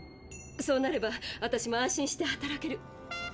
そうなれば私も安心して働ける。